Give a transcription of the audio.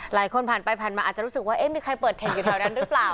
หลายคนผ่านไปผ่านมาอาจจะรู้สึกว่าเอ๊ะมีใครเปิดเทคอยู่แถวนั้นหรือเปล่า